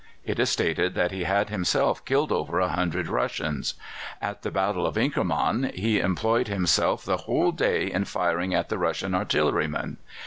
It is stated that he had himself killed over a hundred Russians. At the Battle of Inkermann he employed himself the whole day in firing at the Russian artillerymen.